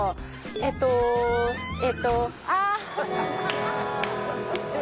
えっとえっとあ。